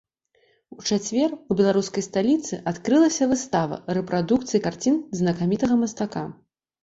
У чацвер у беларускай сталіцы адкрылася выстава рэпрадукцый карцін знакамітага мастака.